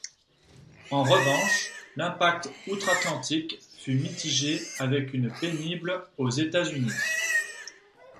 En revanche, l'impact outre-Atlantique fut mitigé avec une pénible aux États-Unis.